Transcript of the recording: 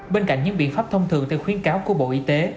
bên cạnh những biện pháp thông thường theo khuyến cáo của bộ y tế